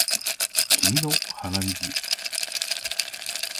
君の鼻水